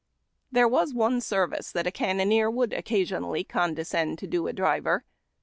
There was one service that a cannoneer would occasionally condescend to do a driver.